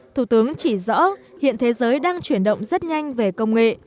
thủ tướng chỉ rõ hiện thế giới đang chuyển động rất nhanh về công nghệ